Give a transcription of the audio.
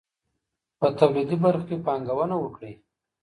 په توليدي برخو کي پانګونه وکړئ.